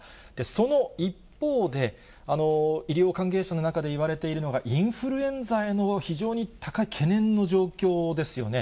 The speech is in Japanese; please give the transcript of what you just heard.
その一方で、医療関係者の中でいわれているのが、インフルエンザへの、非常に高い懸念の状況ですよね。